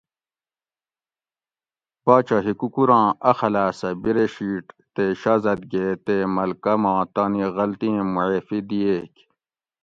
باچہ ہِکوکوراں اخلاصہ بِرے شیٹ تے شازادگے تے ملکہ ما تانی غلطی ایں مُعیفی دِئیگ